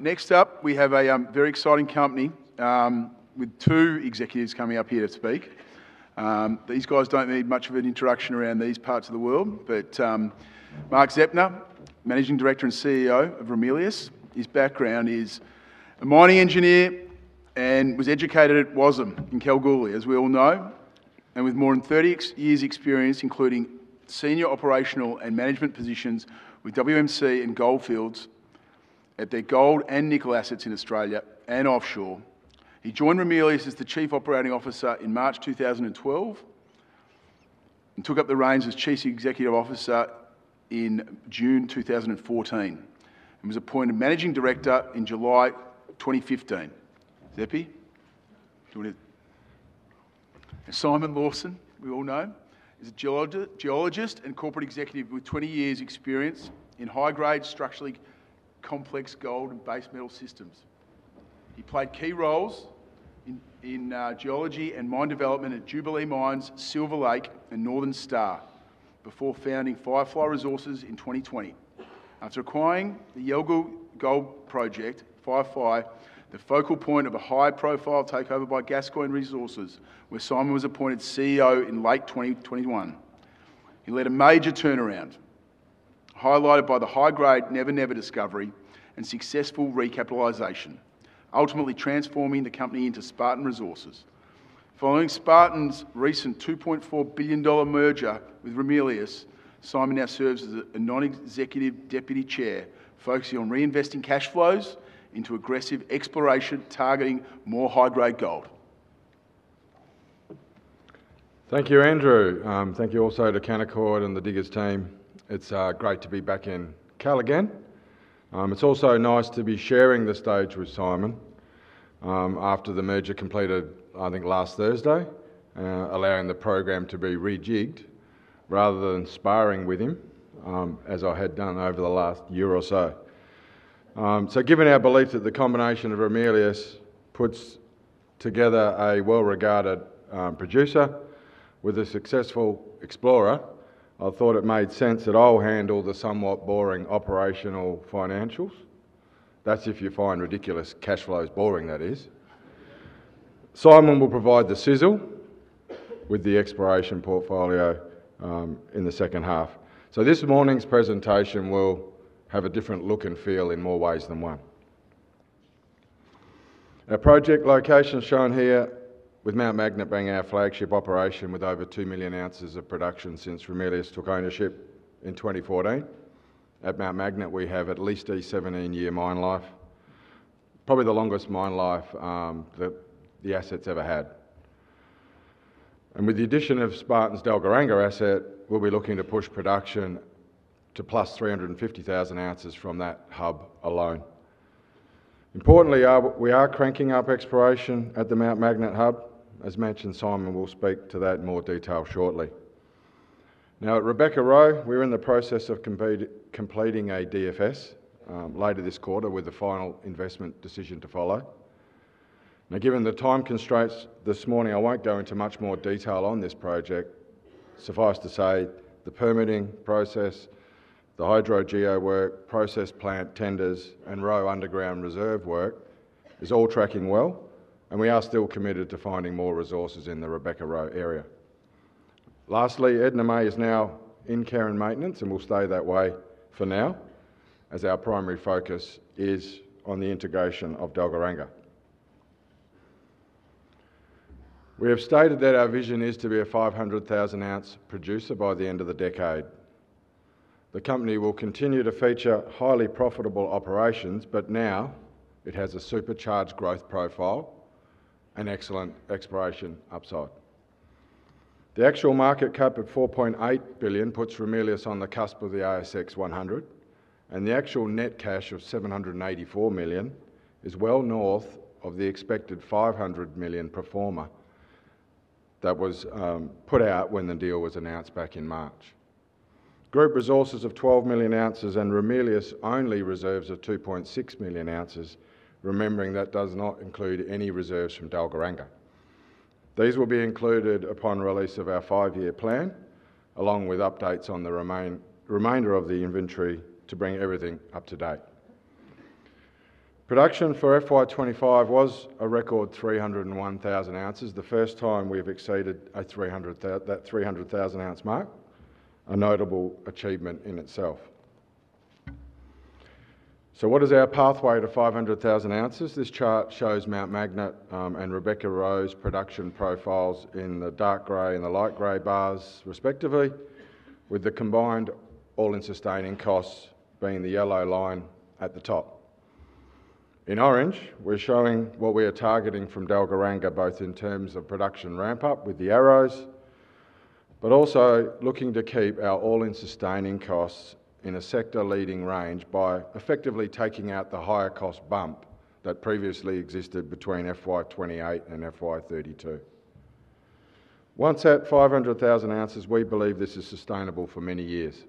Next up, we have a very exciting company with two executives coming up here to speak. These guys don't need much of an introduction around these parts of the world, but Mark Zeptner, Managing Director and CEO of Ramelius, his background is a mining engineer and was educated at WASM in Kalgoorlie, as we all know, and with more than 30 years' experience, including senior operational and management positions with WMC and Goldfields at their gold and nickel assets in Australia and offshore. He joined Ramelius as the Chief Operating Officer in March 2012 and took up the reins as Chief Executive Officer in June 2014 and was appointed Managing Director in July 2015. Zeppi, you want to... Simon Lawson, we all know, is a Geologist and Corporate Executive with 20 years' experience in high-grade, structurally complex gold and base metal systems. He played key roles in geology and mine development at Jubilee Mines, Silver Lake, and Northern Star before founding Firefly Resources in 2020. After acquiring the Yalgoo Gold Project, Firefly, the focal point of a high-profile takeover by Gascoyne Resources, where Simon was appointed CEO in late 2021, he led a major turnaround highlighted by the high-grade Never Never discovery and successful recapitalization, ultimately transforming the company into Spartan Resources. Following Spartan's recent $2.4 billion merger with Ramelius, Simon now serves as a Non-Executive Deputy Chair, focusing on reinvesting cash flows into aggressive exploration targeting more high-grade gold. Thank you, Andrew. Thank you also to Canaccord and the Diggers team. It's great to be back in Kal again. It's also nice to be sharing the stage with Simon after the merger completed, I think last Thursday, allowing the program to be rejigged rather than sparring with him, as I had done over the last year or so. Given our belief that the combination of Ramelius puts together a well-regarded producer with a successful explorer, I thought it made sense that I'll handle the somewhat boring operational financials. That's if you find ridiculous cash flows boring, that is. Simon will provide the sizzle with the exploration portfolio in the second half. This morning's presentation will have a different look and feel in more ways than one. Our project location shown here with Mount Magnet being our flagship operation with over 2 million ounces of production since Ramelius took ownership in 2014. At Mount Magnet, we have at least a 17-year mine life, probably the longest mine life that the asset's ever had. With the addition of Spartan's Dalgaranga asset, we'll be looking to push production to +350,000 ounces from that hub alone. Importantly, we are cranking up exploration at the Mount Magnet hub. As mentioned, Simon will speak to that in more detail shortly. At Rebecca-Roe, we're in the process of completing a DFS later this quarter with the final investment decision to follow. Given the time constraints this morning, I won't go into much more detail on this project. Suffice to say, the permitting process, the hydro geo work, process plant, tenders, and Roe underground reserve work is all tracking well, and we are still committed to finding more resources in the Rebecca-Roe area. Lastly, Edna May is now in care and maintenance and will stay that way for now, as our primary focus is on the integration of Dalgaranga. We have stated that our vision is to be a 500,000-ounce producer by the end of the decade. The company will continue to feature highly profitable operations, but now it has a supercharged growth profile and excellent exploration upside. The actual market cap of $4.8 billion puts Ramelius on the cusp of the ASX 100, and the actual net cash of $784 million is well north of the expected $500 million pro forma that was put out when the deal was announced back in March. Group resources of 12 million ounces and Ramelius-only reserves of 2.6 million ounces, remembering that does not include any reserves from Dalgaranga. These will be included upon release of our five-year plan, along with updates on the remainder of the inventory to bring everything up to date. Production for FY 2025 was a record 301,000 ounces, the first time we have exceeded that 300,000-ounce mark, a notable achievement in itself. What is our pathway to 500,000 ounces? This chart shows Mount Magnet and Rebecca-Roe's production profiles in the dark gray and the light gray bars, respectively, with the combined all-in sustaining costs being the yellow line at the top. In orange, we're showing what we are targeting from Delgaranga, both in terms of production ramp-up with the arrows, but also looking to keep our all-in sustaining costs in a sector-leading range by effectively taking out the higher cost bump that previously existed between FY 2028 and FY 2032. Once at 500,000 ounces, we believe this is sustainable for many years.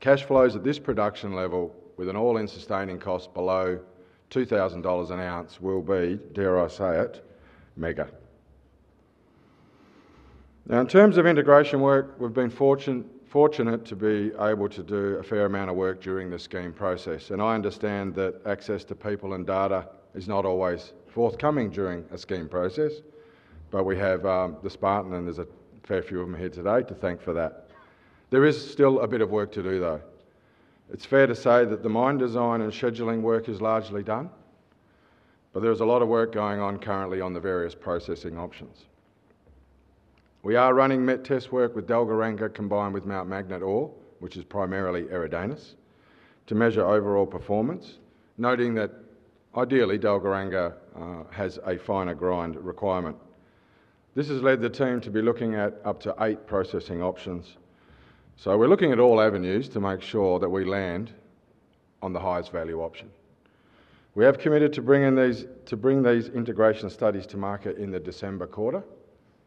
Cash flows at this production level, with an all-in sustaining cost below $2,000 an ounce, will be, dare I say it, mega. In terms of integration work, we've been fortunate to be able to do a fair amount of work during the scheme process, and I understand that access to people and data is not always forthcoming during a scheme process, but we have the Spartan, and there's a fair few of them here today to thank for that. There is still a bit of work to do, though. It's fair to say that the mine design and scheduling work is largely done, but there is a lot of work going on currently on the various processing options. We are running met-test work with Delgaranga combined with Mount Magnet ore, which is primarily Eridanus, to measure overall performance, noting that ideally Delgaranga has a finer grind requirement. This has led the team to be looking at up to eight processing options. We're looking at all avenues to make sure that we land on the highest value option. We have committed to bringing these integration studies to market in the December quarter,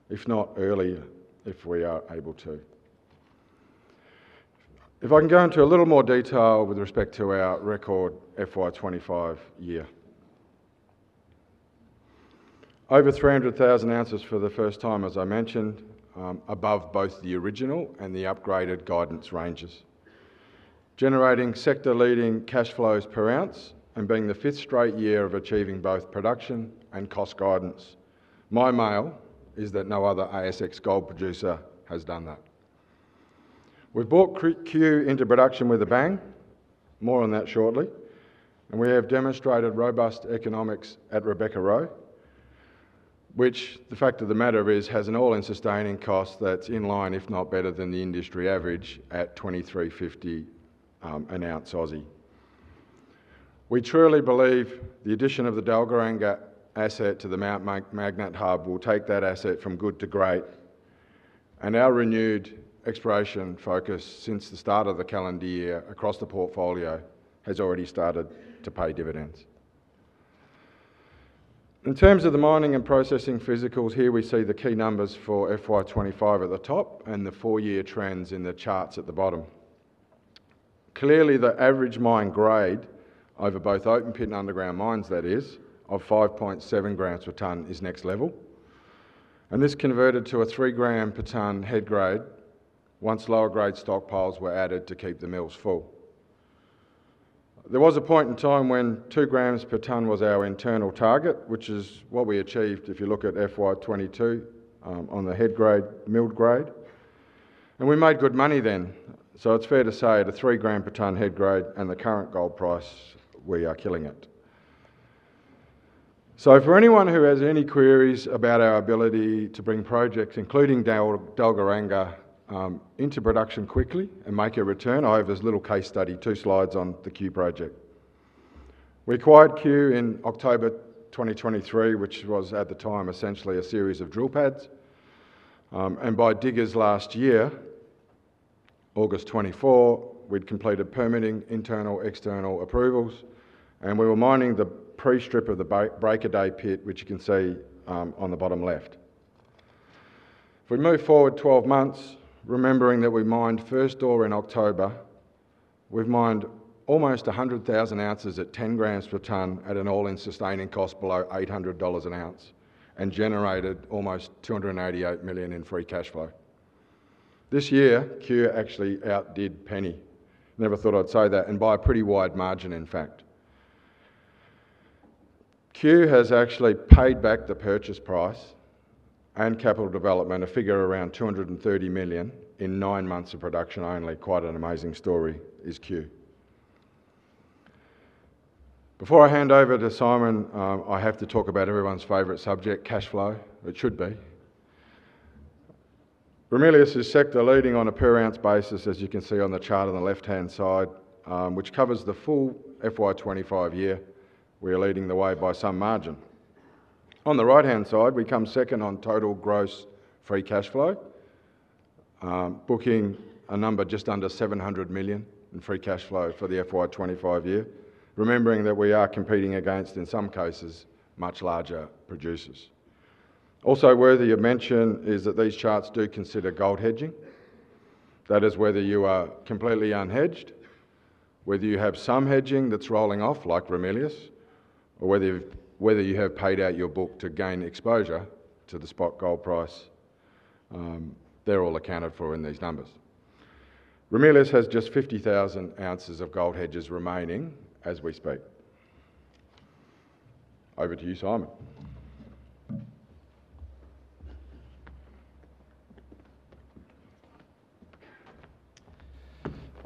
if not earlier if we are able to. If I can go into a little more detail with respect to our record FY 2025 year, over 300,000 ounces for the first time, as I mentioned, above both the original and the upgraded guidance ranges, generating sector-leading cash flows per ounce and being the fifth straight year of achieving both production and cost guidance. My mail is that no other ASX gold producer has done that. We've brought Q project into production with a bang. More on that shortly. We have demonstrated robust economics at Rebecca, which, the fact of the matter is, has an all-in sustaining cost that's in line, if not better than the industry average at $23.50 an ounce Aussie. We truly believe the addition of the Delgaranga asset to the Mount Magnet hub will take that asset from good to great, and our renewed exploration focus since the start of the calendar year across the portfolio has already started to pay dividends. In terms of the mining and processing physicals here, we see the key numbers for FY 2025 at the top and the four-year trends in the charts at the bottom. Clearly, the average mine grade over both open-pit and underground mines, that is, of 5.7 g per 1 ton is next level. This converted to a 3 g per 1 ton head grade once lower-grade stockpiles were added to keep the mills full. There was a point in time when 2 g per 1 ton was our internal target, which is what we achieved if you look at FY 2022 on the head grade milled grade. We made good money then. It is fair to say at a 3 g per 1 ton head grade and the current gold price, we are killing it. For anyone who has any queries about our ability to bring projects, including Delgaranga, into production quickly and make a return, I have this little case study, two slides on the Q project. We acquired Q in October 2023, which was at the time essentially a series of drill pads. By Diggers last year, August 2024, we'd completed permitting, internal, external approvals, and we were mining the pre-strip of the Break of Day pit, which you can see on the bottom left. If we move forward 12 months, remembering that we mined first ore in October, we've mined almost 100,000 ounces at 10 g per 1 ton at an all-in sustaining cost below $800 an ounce and generated almost $288 million in free cash flow. This year, Q actually outdid Penny. Never thought I'd say that, and by a pretty wide margin, in fact. Q has actually paid back the purchase price and capital development, a figure around $230 million in nine months of production only. Quite an amazing story is Q. Before I hand over to Simon, I have to talk about everyone's favorite subject, cash flow, which should be. Ramelius is sector-leading on a per-ounce basis, as you can see on the chart on the left-hand side, which covers the full FY 2025 year. We are leading the way by some margin. On the right-hand side, we come second on total gross free cash flow, booking a number just under $700 million in free cash flow for the FY 2025 year, remembering that we are competing against, in some cases, much larger producers. Also, worthy of mention is that these charts do consider gold hedging. That is whether you are completely unhedged, whether you have some hedging that's rolling off like Ramelius, or whether you have paid out your book to gain exposure to the spot gold price. They're all accounted for in these numbers. Ramelius has just 50,000 ounces of gold hedges remaining as we speak. Over to you, Simon.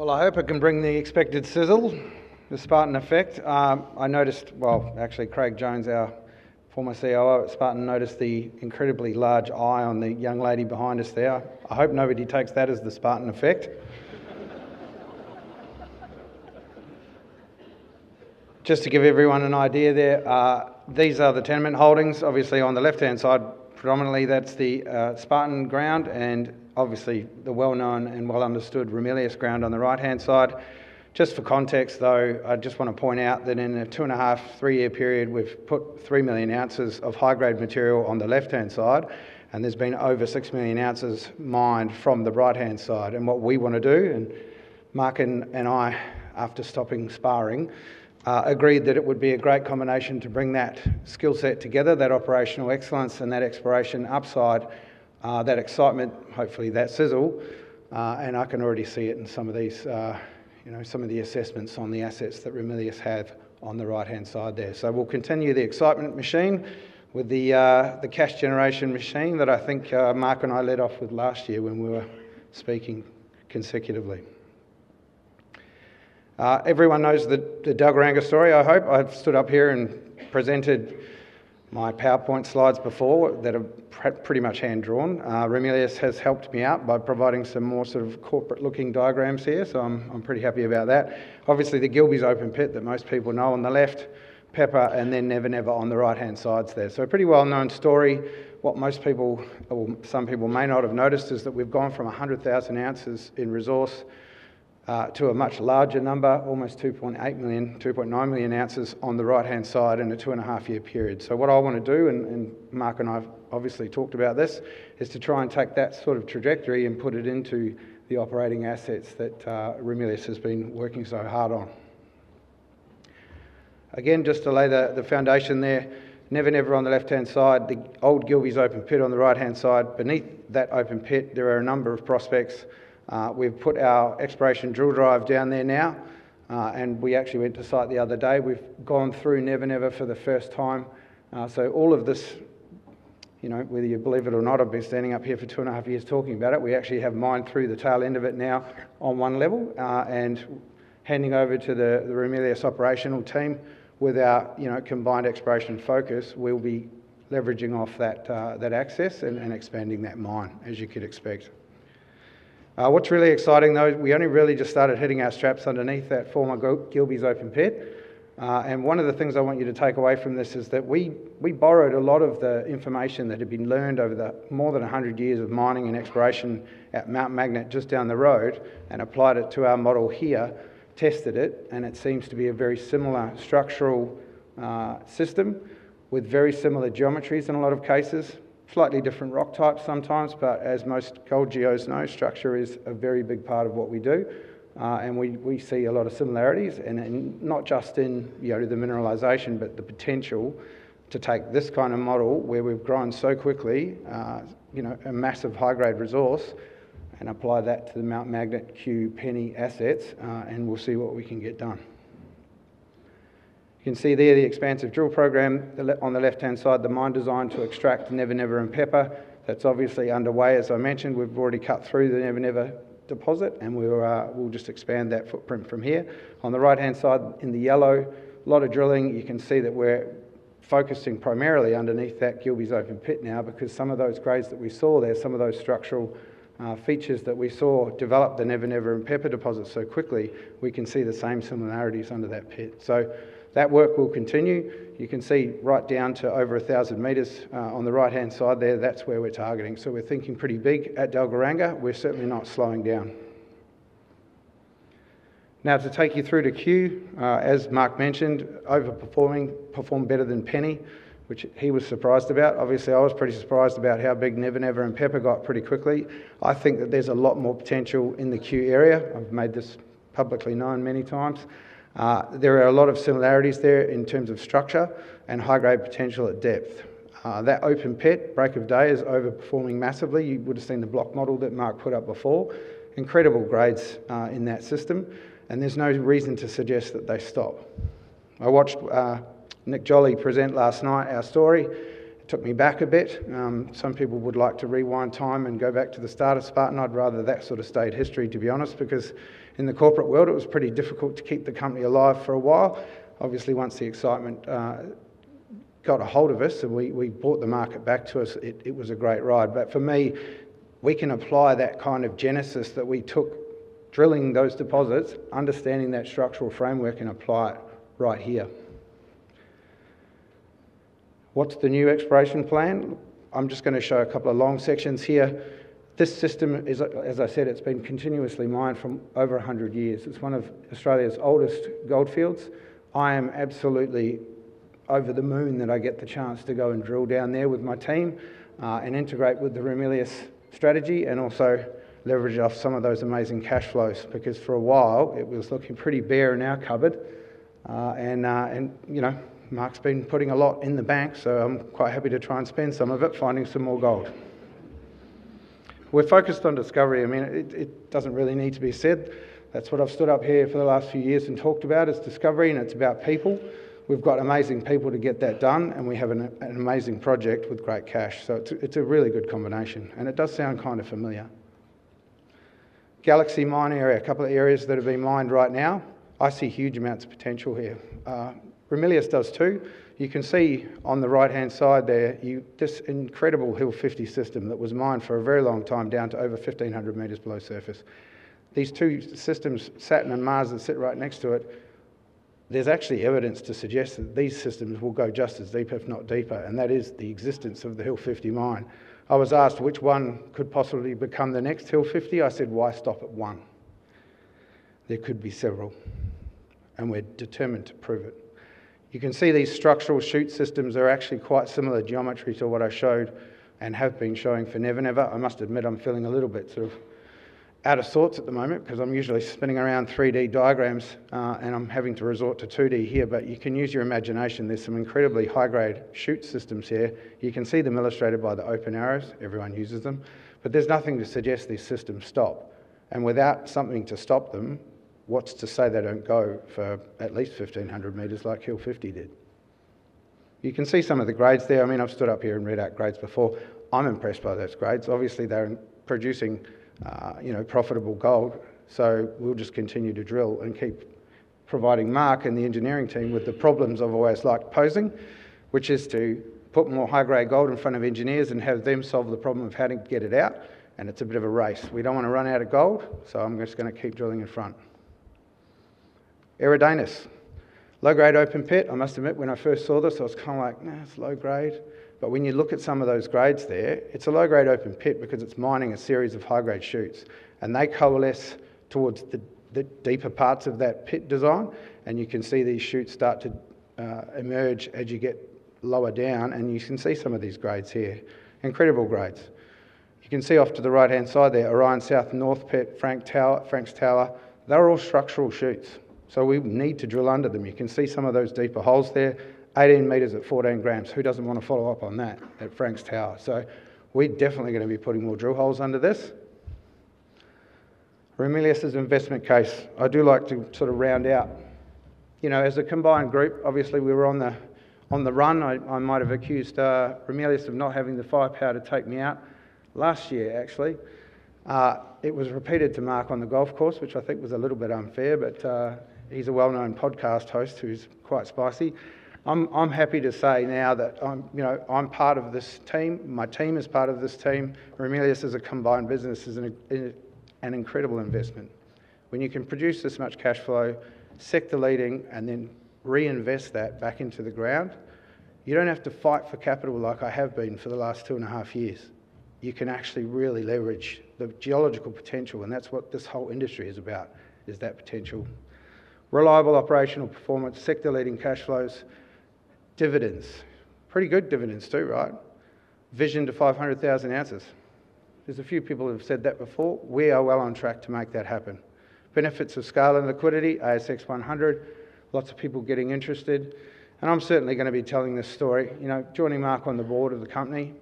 I hope it can bring the expected sizzle, the Spartan effect. I noticed, actually Craig Jones, our former CEO at Spartan, noticed the incredibly large eye on the young lady behind us there. I hope nobody takes that as the Spartan effect. Just to give everyone an idea there, these are the tenement holdings. Obviously, on the left-hand side, predominantly that's the Spartan ground and obviously the well-known and well-understood Ramelius ground on the right-hand side. Just for context, though, I just want to point out that in a two-and-a-half, three-year period, we've put 3 million ounces of high-grade material on the left-hand side, and there's been over 6 million ounces mined from the right-hand side. What we want to do, and Mark and I, after stopping sparring, agreed that it would be a great combination to bring that skill set together, that operational excellence, and that exploration upside, that excitement, hopefully that sizzle. I can already see it in some of these, you know, some of the assessments on the assets that Ramelius have on the right-hand side there. We'll continue the excitement machine with the cash generation machine that I think Mark and I led off with last year when we were speaking consecutively. Everyone knows the Delgaranga story, I hope. I've stood up here and presented my PowerPoint slides before that are pretty much hand-drawn. Ramelius has helped me out by providing some more sort of corporate-looking diagrams here, so I'm pretty happy about that. Obviously, the Gilby's open pit that most people know on the left, Pepper, and then Never Never on the right-hand sides there. A pretty well-known story. What most people, or some people may not have noticed, is that we've gone from 100,000 ounces in resource to a much larger number, almost 2.8 million, 2.9 million ounces on the right-hand side in a two-and-a-half-year period. What I want to do, and Mark and I obviously talked about this, is to try and take that sort of trajectory and put it into the operating assets that Ramelius has been working so hard on. Again, just to lay the foundation there, Never Never on the left-hand side, the old Gilby's open pit on the right-hand side. Beneath that open pit, there are a number of prospects. We've put our exploration drill drive down there now, and we actually went to site the other day. We've gone through Never Never for the first time. All of this, whether you believe it or not, I've been standing up here for two and a half years talking about it. We actually have mined through the tail end of it now on one level and handing over to the Ramelius operational team with our combined exploration focus. We'll be leveraging off that access and expanding that mine, as you could expect. What's really exciting, though, we only really just started hitting our straps underneath that former Gilby's open pit. One of the things I want you to take away from this is that we borrowed a lot of the information that had been learned over the more than 100 years of mining and exploration at Mount Magnet just down the road and applied it to our model here, tested it, and it seems to be a very similar structural system with very similar geometries in a lot of cases, slightly different rock types sometimes, but as most gold geos know, structure is a very big part of what we do. We see a lot of similarities, and not just in the mineralization, but the potential to take this kind of model where we've grown so quickly, a massive high-grade resource, and apply that to the Mount Magnet Q project assets, and we'll see what we can get done. You can see there the expansive drill program on the left-hand side, the mine design to extract Never Never and Pepper. That's obviously underway, as I mentioned. We've already cut through the Never Never deposit, and we'll just expand that footprint from here. On the right-hand side in the yellow, a lot of drilling. You can see that we're focusing primarily underneath that Gilby's open pit now because some of those grades that we saw there, some of those structural features that we saw develop the Never Never and Pepper deposit so quickly, we can see the same similarities under that pit. That work will continue. You can see right down to over 1,000 m on the right-hand side there. That's where we're targeting. We're thinking pretty big at Delgaranga. We're certainly not slowing down. Now to take you through to Q, as Mark mentioned, overperforming, performed better than Penny, which he was surprised about. Obviously, I was pretty surprised about how big Never Never and Pepper got pretty quickly. I think that there's a lot more potential in the Q area. I've made this publicly known many times. There are a lot of similarities there in terms of structure and high-grade potential at depth. That open pit, Break of Day, is overperforming massively. You would have seen the block model that Mark put up before. Incredible grades in that system, and there's no reason to suggest that they stop. I watched Nick Jolly present last night our story. It took me back a bit. Some people would like to rewind time and go back to the start of Spartan. I'd rather that sort of stayed history, to be honest, because in the corporate world, it was pretty difficult to keep the company alive for a while. Obviously, once the excitement got a hold of us and we brought the market back to us, it was a great ride. For me, we can apply that kind of genesis that we took drilling those deposits, understanding that structural framework, and apply it right here. What's the new exploration plan? I'm just going to show a couple of long sections here. This system is, as I said, it's been continuously mined for over 100 years. It's one of Australia's oldest gold fields. I am absolutely over the moon that I get the chance to go and drill down there with my team and integrate with the Ramelius strategy and also leverage off some of those amazing cash flows because for a while it was looking pretty bare in our cupboard. You know, Mark's been putting a lot in the bank, so I'm quite happy to try and spend some of it finding some more gold. We're focused on discovery. I mean, it doesn't really need to be said. That's what I've stood up here for the last few years and talked about is discovery, and it's about people. We've got amazing people to get that done, and we have an amazing project with great cash. It's a really good combination, and it does sound kind of familiar. Galaxy mine area, a couple of areas that are being mined right now. I see huge amounts of potential here. Ramelius does too. You can see on the right-hand side there, this incredible Hill 50 system that was mined for a very long time down to over 1,500 m below surface. These two systems, Saturn and Mars, that sit right next to it, there's actually evidence to suggest that these systems will go just as deep, if not deeper, and that is the existence of the Hill 50 mine. I was asked which one could possibly become the next Hill 50. I said, why stop at one? There could be several, and we're determined to prove it. You can see these structural chute systems are actually quite similar geometry to what I showed and have been showing for Never Never. I must admit I'm feeling a little bit sort of out of sorts at the moment because I'm usually spinning around 3D diagrams, and I'm having to resort to 2D here, but you can use your imagination. There's some incredibly high-grade chute systems here. You can see them illustrated by the open arrows. Everyone uses them, but there's nothing to suggest these systems stop, and without something to stop them, what's to say they don't go for at least 1,500 meters like Hill 50 did? You can see some of the grades there. I mean, I've stood up here and read out grades before. I'm impressed by those grades. Obviously, they're producing, you know, profitable gold. We'll just continue to drill and keep providing Mark and the engineering team with the problems I've always liked posing, which is to put more high-grade gold in front of engineers and have them solve the problem of how to get it out. It's a bit of a race. We don't want to run out of gold. I'm just going to keep drilling in front. Eridanus, low-grade open pit. I must admit when I first saw this, I was kind of like, it's low grade. When you look at some of those grades there, it's a low-grade open pit because it's mining a series of high-grade chutes, and they coalesce towards the deeper parts of that pit design. You can see these chutes start to emerge as you get lower down, and you can see some of these grades here. Incredible grades. You can see off to the right-hand side there, Orion South North Pit, Frank Tower, Frank's Tower. They're all structural chutes. We need to drill under them. You can see some of those deeper holes there, 18 m at 14 g. Who doesn't want to follow up on that at Frank's Tower? We're definitely going to be putting more drill holes under this. Ramelius's investment case. I do like to sort of round out, you know, as a combined group, obviously we were on the run. I might have accused Ramelius of not having the firepower to take me out last year, actually. It was repeated to Mark on the golf course, which I think was a little bit unfair, but he's a well-known podcast host who's quite spicy. I'm happy to say now that I'm, you know, I'm part of this team. My team is part of this team. Ramelius as a combined business is an incredible investment. When you can produce this much cash flow, sector leading, and then reinvest that back into the ground, you don't have to fight for capital like I have been for the last two and a half years. You can actually really leverage the geological potential, and that's what this whole industry is about, is that potential. Reliable operational performance, sector-leading cash flows, dividends, pretty good dividends too, right? Vision to 500,000 ounces. There's a few people who have said that before. We are well on track to make that happen. Benefits of scale and liquidity, ASX 100, lots of people getting interested. I'm certainly going to be telling this story, you know, joining Mark on the Board of the company.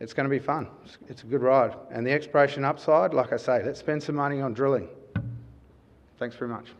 It's going to be fun. It's a good ride. The exploration upside, like I say, let's spend some money on drilling. Thanks very much.